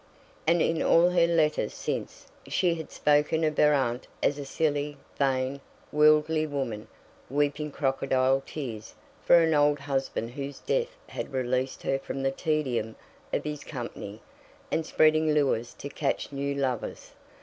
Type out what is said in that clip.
And in all her letters since, she had spoken of her aunt as a silly, vain, worldly woman, weeping crocodile tears, for an old husband whose death had released her from the tedium of his company, and spreading lures to catch new lovers.